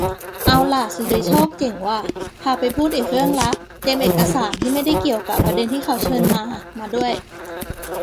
เอาล่ะ ศิริโชค เจ๋งว่ะ พาไปพูดอีกเรื่องละ เตรียมเอกสาร-ที่ไม่ได้เกี่ยวกะประเด็นที่เขาเชิญมา-มาด้วย